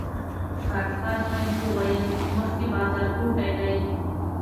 خاکسار صیب وويل مخکې بازارګوټی دی.